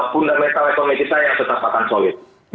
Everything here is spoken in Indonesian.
pundak metal ekonomi kita yang tetap akan solid